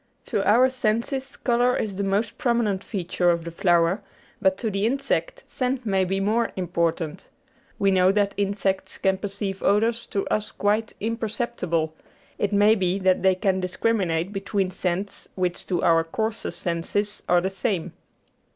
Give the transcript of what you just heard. To our senses colour is the most prominent feature of the flower, but to the insect scent may be more im portant. We know that insects can perceive odours to us quite imperceptible; it may be that they can discriminate between scents which to our coarser senses are the same.